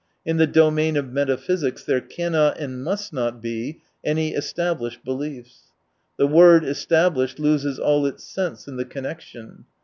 In the domain of metaphysics there cannot and must not be any established beliefs. The word established loses all its sense in the connection.